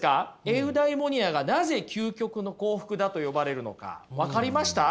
エウダイモニアがなぜ究極の幸福だと呼ばれるのか分かりました？